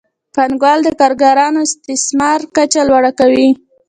پانګوال د کارګرانو د استثمار کچه لوړه کوي